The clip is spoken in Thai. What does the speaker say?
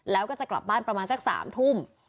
แล้วก็จะกลับบ้านประมาณสัก๓ทุ่ม